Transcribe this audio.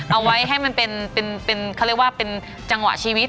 เอาไว้ให้มันเป็นเขาเรียกว่าเป็นจังหวะชีวิต